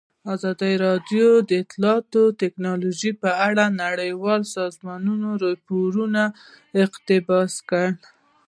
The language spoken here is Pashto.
ازادي راډیو د اطلاعاتی تکنالوژي په اړه د نړیوالو سازمانونو راپورونه اقتباس کړي.